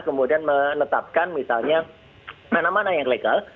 kemudian menetapkan misalnya mana mana yang legal